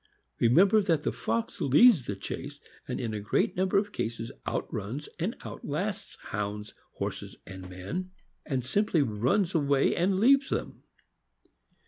Remember that the fox leads the chase, and in a great number of cases outruns and outlasts Hounds, horses, and men, and simply runs away and leaves them.